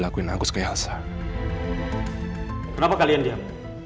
kenapa kalian diam